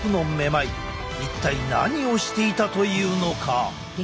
一体何をしていたというのか？